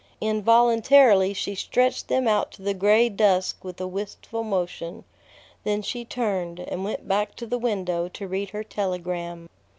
Involuntarily she stretched them out to the gray dusk with a wistful motion. Then she turned, and went back to the window to read her telegram.